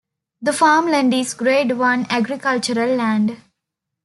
The farmland is grade one agricultural land.